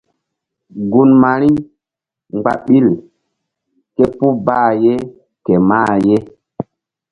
Gun Mari mgba ɓil ké puh bqh ye ke mah ye.